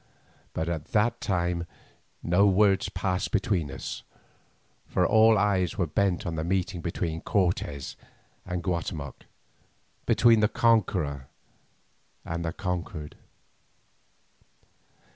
But at that time no words passed between us, for all eyes were bent on the meeting between Cortes and Guatemoc, between the conqueror and the conquered.